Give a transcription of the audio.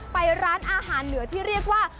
ไปร้านอาหารเหนือที่เรียกว่า